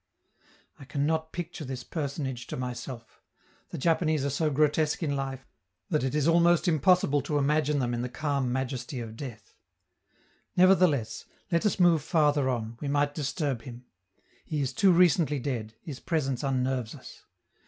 I can not picture this personage to myself; the Japanese are so grotesque in life that it is almost impossible to imagine them in the calm majesty of death. Nevertheless, let us move farther on, we might disturb him; he is too recently dead, his presence unnerves us.